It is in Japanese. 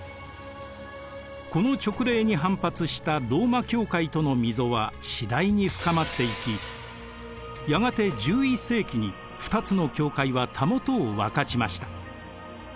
この勅令に反発したローマ教会との溝は次第に深まっていきやがて１１世紀に２つの教会はたもとを分かちました。